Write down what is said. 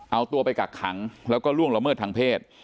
เอาตัวไปกักขังแล้วก็ล่วงละเมิดทางเพศ